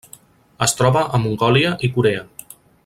Es troba a Mongòlia i Corea.